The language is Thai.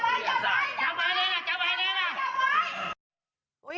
จับไว้จับไว้จับไว้